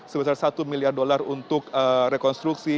sebesar rp satu miliar untuk rekonstruksi